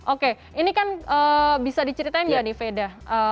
oke ini kan bisa diceritain nggak nih veda